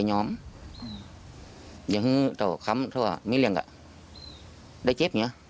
ยังคือต่อคำเขาอ่ะไม่เรียกอ่ะได้เจ็บไงอ่ะ